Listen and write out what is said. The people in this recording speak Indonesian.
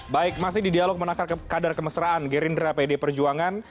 baik masih di dialog menakar kadar kemesraan gerindra pd perjuangan